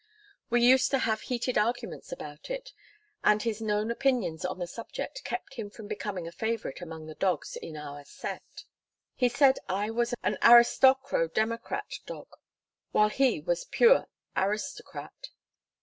We used to have heated arguments about it, and his known opinions on the subject kept him from becoming a favourite among the dogs in our set. He said I was an aristocro democrat dog, while he was pure aristocrat.